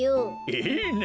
いいね！